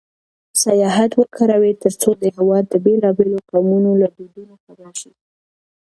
سیاحت وکاروئ ترڅو د هېواد د بېلابېلو قومونو له دودونو خبر شئ.